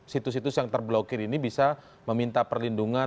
situs situs yang terblokir ini bisa meminta perlindungan